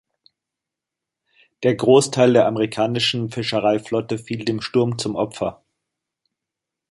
Der Großteil der amerikanischen Fischereiflotte fiel dem Sturm zum Opfer.